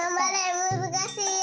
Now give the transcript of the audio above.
むずかしいよ！